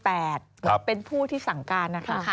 เป็นผู้ที่สั่งการนะคะ